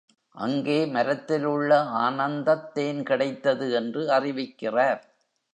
அங்கே மரத்தில் உள்ள ஆனந்தத் தேன் கிடைத்தது என்று அறிவிக்கிறார்.